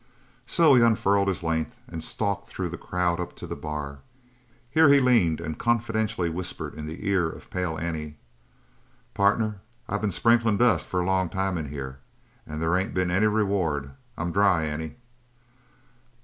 So he unfurled his length and stalked through the crowd up to the bar. Here he leaned and confidentially whispered in the ear of Pale Annie. "Partner, I been sprinklin' dust for a long time in here, and there ain't been any reward. I'm dry, Annie."